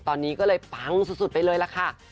ตอนนี้ก็เลยปังสุดไปเลยล่ะค่ะ